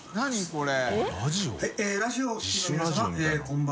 これ。